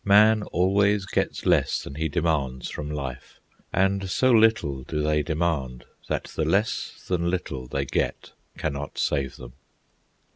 Man always gets less than he demands from life; and so little do they demand, that the less than little they get cannot save them.